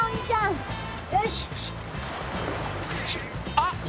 あっ！